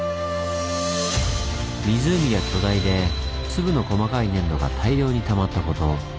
湖が巨大で粒の細かい粘土が大量にたまったこと。